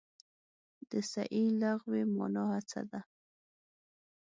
د سعې لغوي مانا هڅه ده.